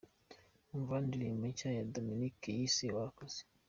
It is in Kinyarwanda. Umva hano indirimbo nshya ya Dominic yise “Warakoze”.